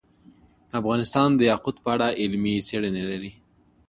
افغانستان د یاقوت په اړه علمي څېړنې لري.